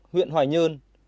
huyện hoài nhơn